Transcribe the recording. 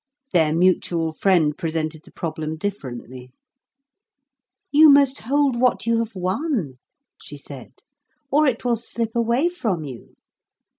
"Their mutual friend presented the problem differently." "'You must hold what you have won,' she said, 'or it will slip away from you.